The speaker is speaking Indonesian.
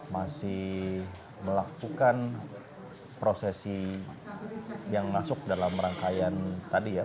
masih melakukan prosesi yang masuk dalam rangkaian tadi ya